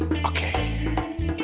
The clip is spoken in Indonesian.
mau bangun atau enggak